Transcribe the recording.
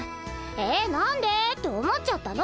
え何でって思っちゃったの！